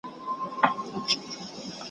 شپه او ورځ مي په خوارۍ دئ ځان وژلى ,